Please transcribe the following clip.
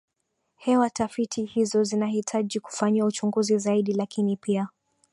hewa Tafiti hizo zinahitaji kufanyiwa uchunguzi zaidi lakini pia